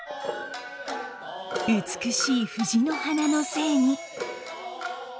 美しい藤の花の精に。